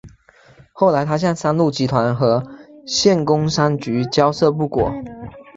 后来他向三鹿集团和县工商局交涉不果。